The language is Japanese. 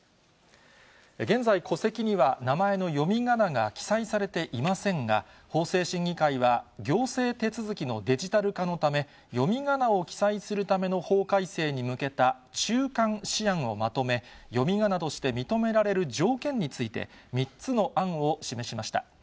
現在、戸籍には名前の読みがなが記載されていませんが、法制審議会は、行政手続きのデジタル化のため、読みがなを記載するための法改正に向けた中間試案をまとめ、読みがなとして認められる条件について、３つの案を示しました。